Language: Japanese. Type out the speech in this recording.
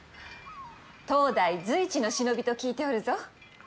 当代随一の忍びと聞いておるぞ。